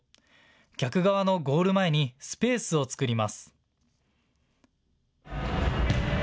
逆側のゴール前にスペースを作ります。